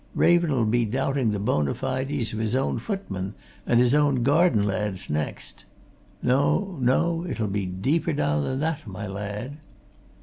Raven'll be doubting the bona fides of his own footmen and his own garden lads next. No no! it'll be deeper down than that, my lad!"